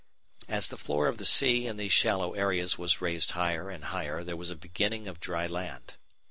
As the floor of the sea in these shallow areas was raised higher and higher there was a beginning of dry land.